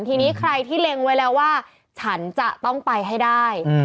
ทีนี้ใครที่เล็งไว้แล้วว่าฉันจะต้องไปให้ได้